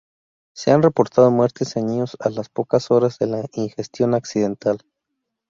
Se han reportado muertes en niños a las pocas horas de la ingestión accidental.